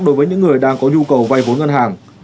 đối với những người đang có nhu cầu vay vốn ngân hàng